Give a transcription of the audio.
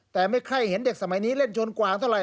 แต่ไม่ค่อยเห็นเด็กสมัยนี้เล่นชนกวางเท่าไห